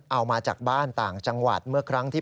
เอามาจากบ้านต่างจังหวัดเมื่อครั้งที่๘